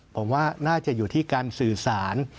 ผมว่าน่าจะอยู่ที่การสื่อสาร